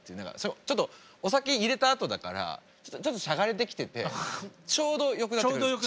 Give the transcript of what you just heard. ちょっとお酒入れたあとだからちょっとしゃがれてきててちょうどよくなってくるんです。